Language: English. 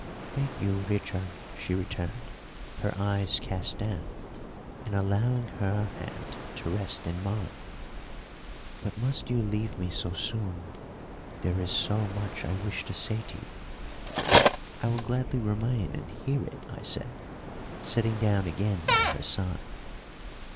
"Thank you, Richard," she returned, her eyes cast down, and allowing her hand to rest in mine. "But must you leave me so soon? there is so much I wish to say to you." "I will gladly remain and hear it," I said, sitting down again by her side.